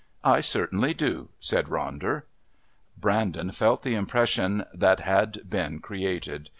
"I certainly do," said Ronder. Brandon felt the impression that had been created.